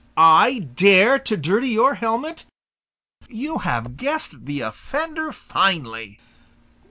I dare to dirty your helmet! You have guessed the offender finely!